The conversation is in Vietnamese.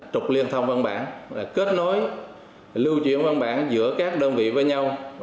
trục liên thông văn bản kết nối lưu chuyển văn bản giữa các đơn vị với nhau